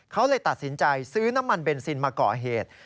เขาเลยตัดสินใจซื้อน้ำมันเบนซินมาก่อเหตุ